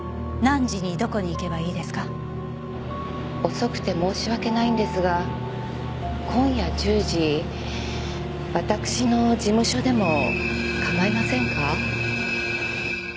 遅くて申し訳ないんですが今夜１０時私の事務所でも構いませんか？